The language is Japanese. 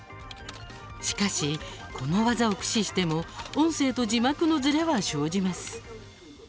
しかし、この技を駆使しても音声と字幕のズレは生じます。